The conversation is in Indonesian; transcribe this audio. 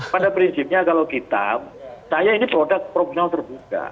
pada prinsipnya kalau kita saya ini produk profesional terbuka